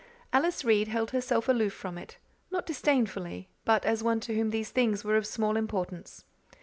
Alice Reade held herself aloof from it not disdainfully, but as one to whom these things were of small importance.